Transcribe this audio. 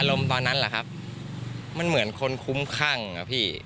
อารมณ์ตอนนั้นเหรอครับมันเหมือนคนคุ้มข้างครับพี่